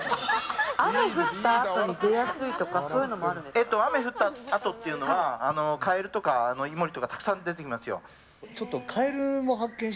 雨降ったあとに出やすいとか雨の降ったあとはカエルとかイモリとかたくさん出てきますよ。